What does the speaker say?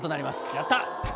やった！